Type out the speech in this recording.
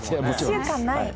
１週間ない。